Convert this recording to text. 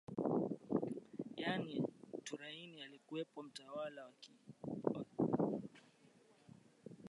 yaani Turiani alikuwepo mtawala wa Kizigua aliyeitwa Kisebengo ambaye alihamia kwenye Tambarare ya Uluguru